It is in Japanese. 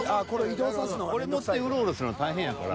これ持ってウロウロするの大変やから。